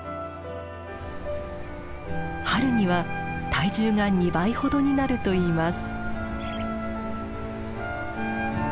春には体重が２倍ほどになるといいます。